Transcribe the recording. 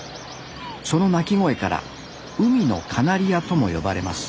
その鳴き声から海のカナリアとも呼ばれます